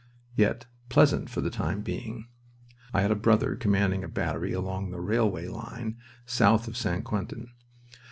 Yet, pleasant for the time being. I had a brother commanding a battery along the railway line south of St. Quentin.